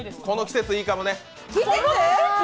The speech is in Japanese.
この季節いいかもね。